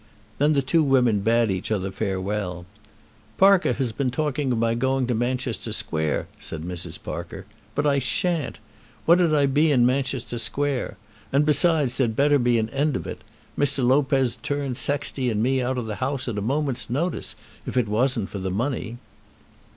Then the two women bade each other farewell. "Parker has been talking of my going to Manchester Square," said Mrs. Parker, "but I shan't. What'd I be in Manchester Square? And, besides, there'd better be an end of it. Mr. Lopez'd turn Sexty and me out of the house at a moment's notice if it wasn't for the money."